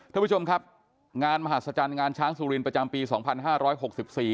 ท่านผู้ชมครับงานมหาศจรรย์งานช้างสุรินประจำปีสองพันห้าร้อยหกสิบสี่